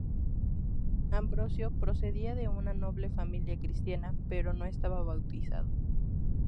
Ambrosio procedía de una noble familia cristiana, pero no estaba bautizado.